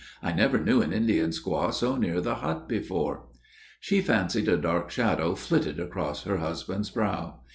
"I never knew an Indian squaw so near the hut before?" She fancied a dark shadow flitted across her husband's brow.